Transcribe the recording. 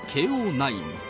ナイン。